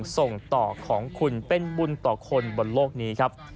ส่งต่อของคุณเป็นบุญต่อคนบนโลกนี้ครับ